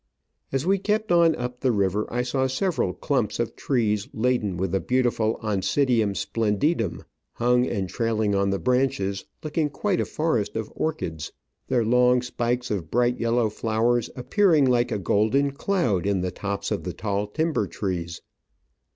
As we kept on up the river I saw several clumps of trees laden with the beautiful Oncidium splendidum, hung and trailing in the branches, looking quite a forest of orchids, their long spikes of bright yellow flowers appearing like a golden cloud in the tops of the tall timber trees.